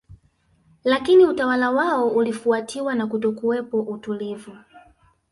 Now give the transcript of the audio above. Lakini utawala wao ulifuatiwa na kutokuwepo utulivu